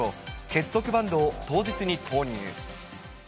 結束バンドを当日に購入。